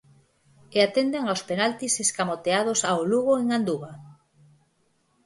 E atendan aos penaltis escamoteados ao Lugo en Anduva.